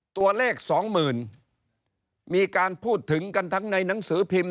สองหมื่นมีการพูดถึงกันทั้งในหนังสือพิมพ์